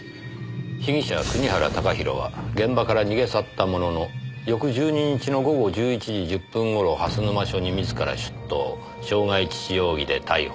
「被疑者国原貴弘は現場から逃げ去ったものの翌１２日の午後１１時１０分頃蓮沼署に自ら出頭」「傷害致死容疑で逮捕。